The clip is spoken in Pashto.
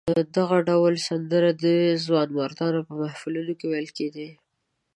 دغه ډول سندرې د ځوانمردانو په محفلونو کې ویل کېدې.